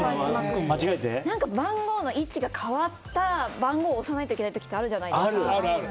番号の位置が変わったのを押さないといけない時あるじゃないですか。